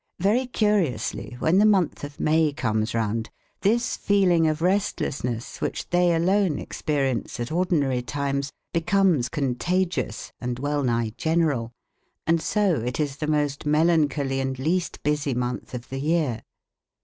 Very curiously when the month of May comes round, this feeling of restlessness which they alone experience at ordinary times, becomes contagious and well nigh general. And so it is the most melancholy and least busy month of the year.